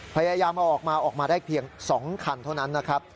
พยายามเอาออกมาออกมาได้เพียง๒คันเท่านั้นนะครับ